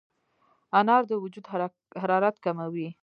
انار د وجود حرارت کموي.